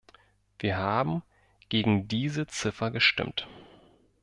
Wir haben gegen diese Ziffer gestimmt.